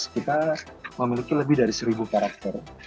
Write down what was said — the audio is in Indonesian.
kita memiliki lebih dari seribu karakter